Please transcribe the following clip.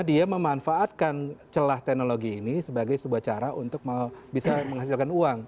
dia memanfaatkan celah teknologi ini sebagai sebuah cara untuk bisa menghasilkan uang